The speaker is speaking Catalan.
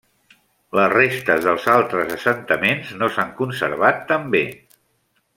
Les restes dels altres assentaments no s'han conservat tan bé.